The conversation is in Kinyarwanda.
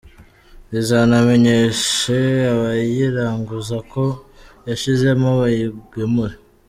Rizanamenyeshe abayiranguza ko yashizemo, bayigemure